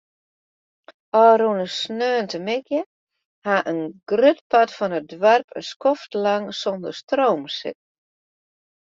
Ofrûne sneontemiddei hat in grut part fan it doarp in skoftlang sonder stroom sitten.